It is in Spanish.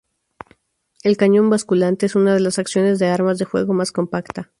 El cañón basculante es una de las acciones de armas de fuego más compacta.